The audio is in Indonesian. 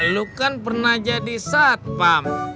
lu kan pernah jadi satpam